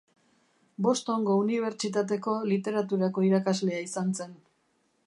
Bostongo unibertsitateko literaturako irakaslea izan zen.